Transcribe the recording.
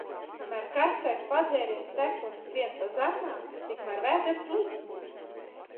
Kamēr karstais padzēriens tek un skrien pa zarnām, tikmēr vēders līksmo.